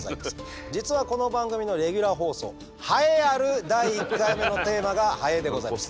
実はこの番組のレギュラー放送栄えある第１回目のテーマが「ハエ」でございました。